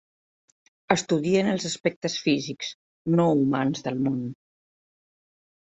Estudien els aspectes físics, no humans del món.